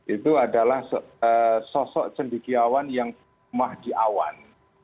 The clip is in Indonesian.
itu adalah sosok cendikiawan yang mah di awan